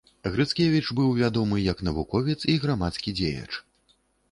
Грыцкевіч быў вядомы як навуковец і грамадскі дзеяч.